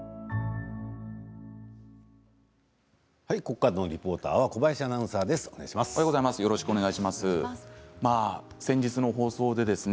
ここからのリポーターは小林アナウンサーです。